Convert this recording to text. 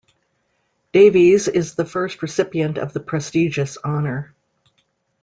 Davies is the first recipient of the prestigious honour.